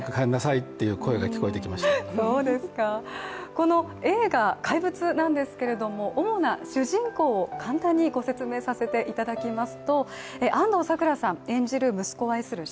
この映画「怪物」なんですけれども主な主人公を簡単にご説明させていただきます。